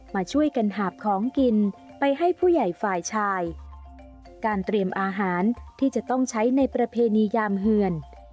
มาช่วยกันหาบของกินไปให้ผู้ใหญ่ฝ่ายชายการเตรียมอาหารที่จะต้องใช้ในประเพณียามเหือน